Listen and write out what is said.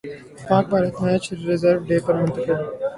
پاک Bharat match reserve day پر منتقل